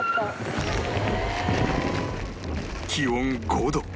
気温５度